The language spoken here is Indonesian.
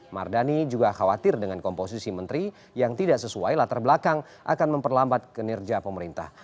mardani juga khawatir dengan komposisi menteri yang tidak sesuai latar belakang akan memperlambat kinerja pemerintah